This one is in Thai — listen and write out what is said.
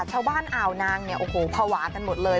ชาวบ้านอ่าวนางเนี่ยโอ้โหพวากันหมดเลย